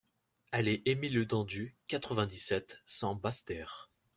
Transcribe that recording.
Allée Emile le Dentu, quatre-vingt-dix-sept, cent Basse-Terre